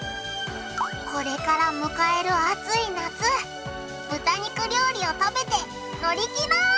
これから迎える暑い夏豚肉料理を食べて乗り切ろう！